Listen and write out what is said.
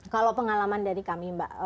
kalau pengalaman dari kami mbak